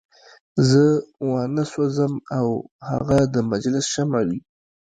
زه وانه سوځم او هغه د مجلس شمع وي.